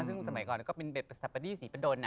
ทุกคนสมัยก่อนก็เป็นศัพท์สภาษณียีสีพัดนนะ